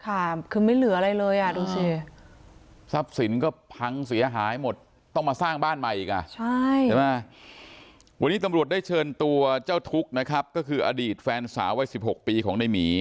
ค่ะคือไม่เหลืออะไรเลยอ่ะดูสิ